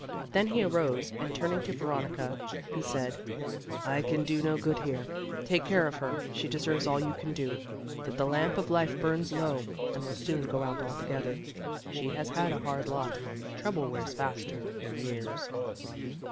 Then he arose and turning to Veronica, he said, "I can do no good here; take care of her; she deserves all you can do, but the lamp of life burns low, and will soon go out altogether. She has had a hard lot; trouble wears faster than years."